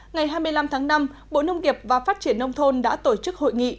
ngày hai mươi năm tháng năm bộ nông nghiệp và phát triển nông thôn đã tổ chức hội nghị